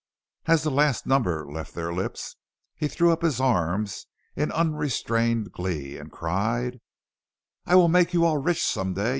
As the last number left their lips, he threw up his arms in unrestrained glee, and cried: "I will make you all rich some day.